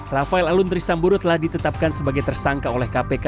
rafael aluntri sambodo telah ditetapkan sebagai tersangka oleh kpk